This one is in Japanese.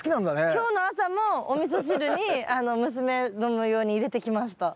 今日の朝もおみそ汁に娘の用に入れてきました。